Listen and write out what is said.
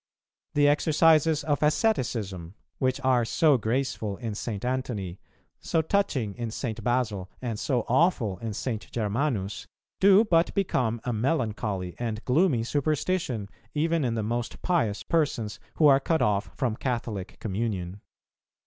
The exercises of asceticism, which are so graceful in St. Antony, so touching in St. Basil, and so awful in St. Germanus, do but become a melancholy and gloomy superstition even in the most pious persons who are cut off from Catholic communion.